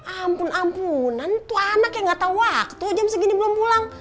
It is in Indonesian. ampun ampunan tuh anak yang gak tahu waktu jam segini belum pulang